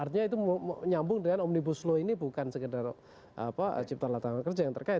artinya itu menyambung dengan omnibus law ini bukan sekedar cipta latar kerja yang terkait